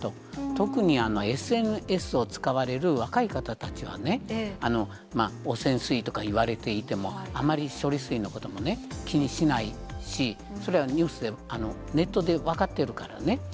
特にＳＮＳを使われる若い方たちはね、汚染水とかいわれていても、あまり処理水のことも気にしないし、それはニュースでも、ネットで分かってるからね。